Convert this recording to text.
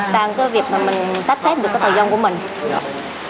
tăng cái việc mà mình trách trách được cái thời gian của mình